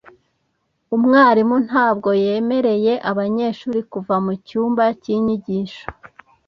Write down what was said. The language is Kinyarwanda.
Umwarimu ntabwo yemereye abanyeshuri kuva mu cyumba cy’inyigisho.